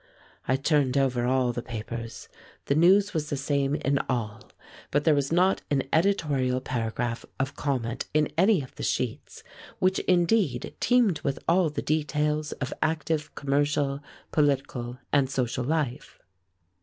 I turned over all the papers. The news was the same in all, but there was not an editorial paragraph of comment in any of the sheets, which, indeed, teamed with all the details of active commercial, political, and social life.